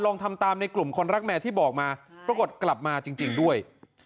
ทำตามในกลุ่มคนรักแมวที่บอกมาปรากฏกลับมาจริงด้วย